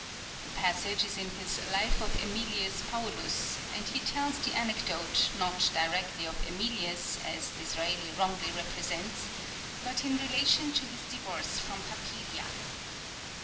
The passage is in his Life of Mmilius Paullus, and he tells the anecdote, not directly of iEmilius, as Disraeli wrongly represents, but in relation to his divorce from Papiria.